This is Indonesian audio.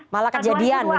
malah kejadian gitu ya